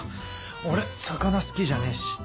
俺魚好きじゃねえし。